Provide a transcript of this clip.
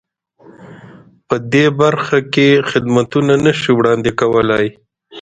په دې برخه کې خدمتونه نه شي وړاندې کولای.